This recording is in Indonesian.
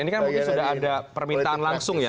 ini kan mungkin sudah ada permintaan langsung ya